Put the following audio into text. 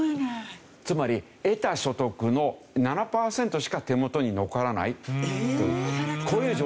つまり得た所得の７パーセントしか手元に残らないというこういう状態だったんです。